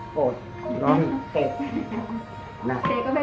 กร้อนกร้อนแล้วเลย